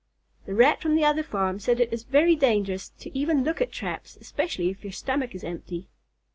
"The Rat from the other farm says it is very dangerous to even look at traps, especially if your stomach is empty."